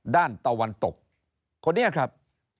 ตะวันตกคนนี้ครับ